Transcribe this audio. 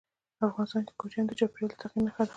افغانستان کې کوچیان د چاپېریال د تغیر نښه ده.